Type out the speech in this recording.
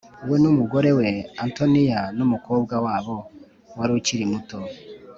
We n umugore we Antonia n umukobwa wabo wari ukiri muto